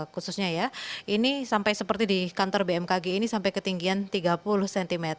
khususnya ya ini sampai seperti di kantor bmkg ini sampai ketinggian tiga puluh cm